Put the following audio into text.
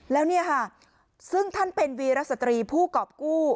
แล้วเนี่ยค่ะซึ่งท่านเป็นวีรสตรีผู้กรอบกู้